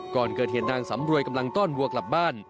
ก่อนเกิดเหตุนางสำรวยกำลังต้อนวัวกลับบ้าน